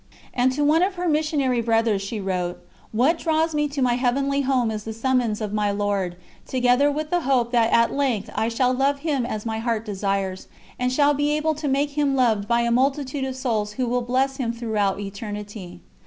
"_ And to one of her missionary brothers she wrote: "What draws me to my Heavenly Home is the summons of my Lord, together with the hope that at length I shall love Him as my heart desires, and shall be able to make Him loved by a multitude of souls who will bless Him throughout eternity."